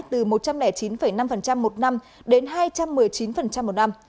từ một trăm linh chín năm một năm đến hai trăm một mươi chín một năm